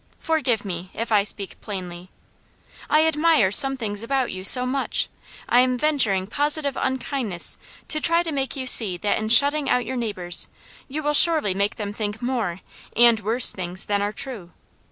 Forgive me, if I speak plainly. I admire some things about you so much, I am venturing positive unkindness to try to make you see that in shutting out your neighbours you will surely make them think more, and worse things, than are true.